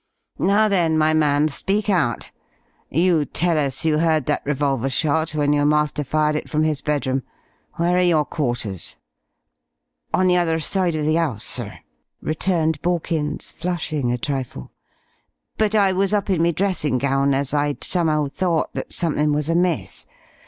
"Now then, my man, speak out. You tell us you heard that revolver shot when your master fired it from his bedroom. Where are your quarters?" "On the other side of the 'ouse, sir," returned Borkins, flushing a trifle. "But I was up in me dressing gown, as I'd some'ow thought that something was amiss.